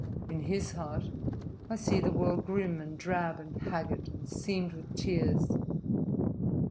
In his heart I see the world grim and drab and haggard and seamed with tears.